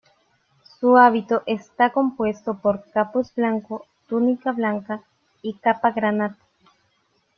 Su hábito está compuesto por capuz blanco, túnica blanca y capa granate.